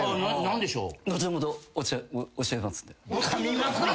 何でしょう？